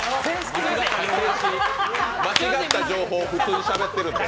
間違った情報を普通にしゃべっているので。